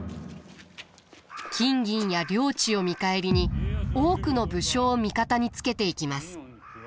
金銀や領地を見返りに多くの武将を味方につけていきます。